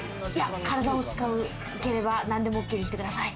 体を使えば何でもＯＫにしてください。